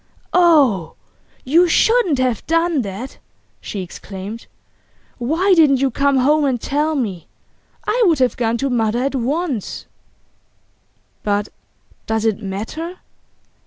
'Oh, you SHOULDN'T have done that!' she exclaimed. 'Why didn't you come home and tell me? I would have gone to mother at once.' 'But does it matter?